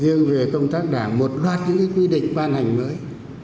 riêng về công tác đảng một loạt những quy định ban hành mới